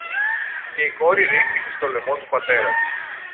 και η κόρη ρίχθηκε στο λαιμό του πατέρα της